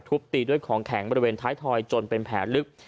ตีด้วยของแข็งบริเวณท้ายทอยจนเป็นแผลลึก